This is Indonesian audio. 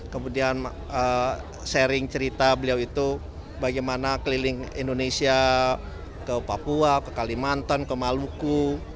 kemudian sharing cerita beliau itu bagaimana keliling indonesia ke papua ke kalimantan ke maluku